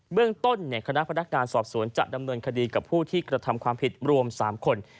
เรื่องต้นคณะพนักงานสอบสวนจะดำเนินคดีกับผู้ที่กระทำความผิดรวม๓คน